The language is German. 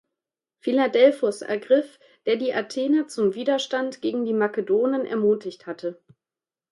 Philadelphos ergriff, der die Athener zum Widerstand gegen die Makedonen ermutigt hatte.